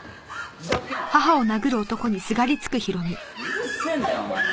うるせえんだよお前は。